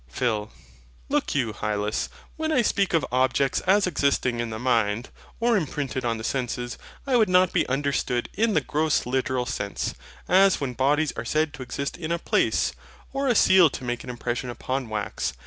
PHIL. Look you, Hylas, when I speak of objects as existing in the mind, or imprinted on the senses, I would not be understood in the gross literal sense; as when bodies are said to exist in a place, or a seal to make an impression upon wax.